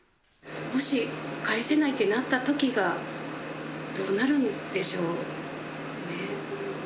もし返せないってなったときが、どうなるんでしょうね。